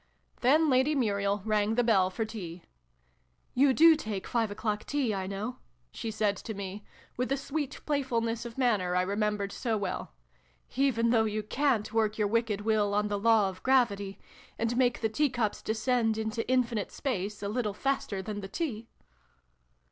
Then Lady Muriel rang the bell for tea. " You do take five o'clock tea, I know !" she said to me, xix] A FAIRY DUET. 293 with the sweet playfulness of manner I remem bered so well, " even though you cant work your wicked will on the Law of Gravity, and make the teacups descend into Infinite Space, a little faster than the tea